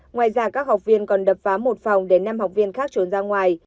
ngoài ra các học viên còn đập phá một phòng để năm học viên khác trốn ra ngoài